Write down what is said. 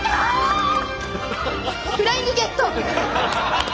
フライングゲット！